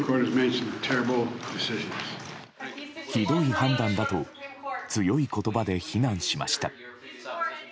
ひどい判断だと強い言葉で非難しました。